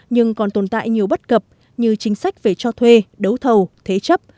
nhưng còn tồn tại nhiều bất cập như chính sách về cho thuê đấu thầu thế chấp